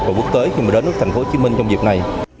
rồi quốc tế khi mà đến với thành phố hồ chí minh trong việc này